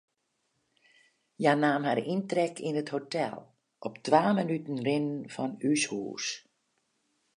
Hja naam har yntrek yn it hotel, op twa minuten rinnen fan ús hûs.